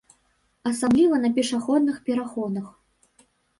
Асабліва на пешаходных пераходах.